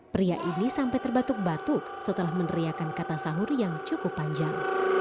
pria ini sampai terbatuk batuk setelah meneriakan kata sahur yang cukup panjang